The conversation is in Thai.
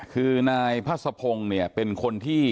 คือนายพระสะพงศ์เนี่ยเป็นคนที่